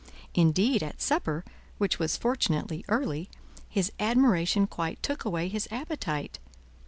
Indeed, at supper, which was fortunately early, his admiration quite took away his appetite.